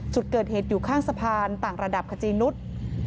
จุดเกิดเหตุอยู่ข้างสะพานต่างระดับขจีนุษย์